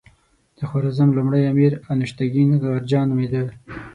د خوارزم لومړی امیر انوشتګین غرجه نومېده.